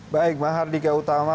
baik mahardika utama